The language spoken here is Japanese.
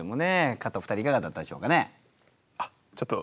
勝った２人いかがだったでしょうかね？